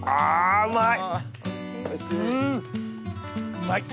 うまい！